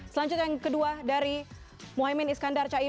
selanjutnya yang kedua dari mohaimin iskandar caimin